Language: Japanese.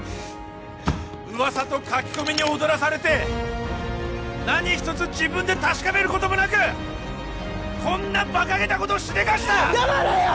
噂と書き込みに踊らされて何一つ自分で確かめることもなくこんなバカげたことをしでかした黙れよ！